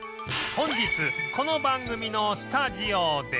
本日この番組のスタジオで